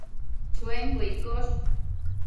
Chuenquio iccosh